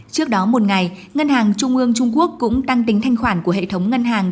trước đó một ngày ngân hàng trung ương trung quốc cũng tăng tính thanh khoản của hệ thống ngân hàng